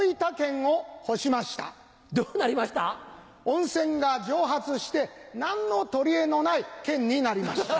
温泉が蒸発して何の取りえのない県になりました。